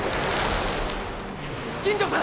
金城さん！